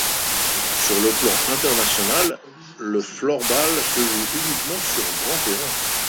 Sur le plan international, le floorball se joue uniquement sur grand terrain.